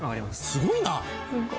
すごいな。